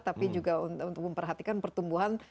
tapi juga untuk memperhatikan pertumbuhan